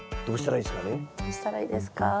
どうしたらいいですか？